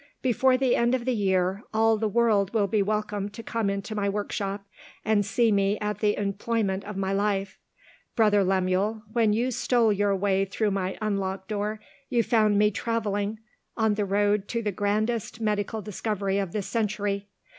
Before the end of the year, all the world will be welcome to come into my workshop, and see me at the employment of my life. Brother Lemuel, when you stole your way through my unlocked door, you found me travelling on the road to the grandest medical discovery of this century.